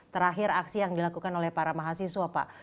terakhir aksi yang dilakukan oleh para mahasiswa pak